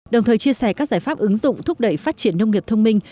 đồng thời chia sẻ các giải pháp ứng dụng thúc đẩy phát triển nông nghiệp thông minh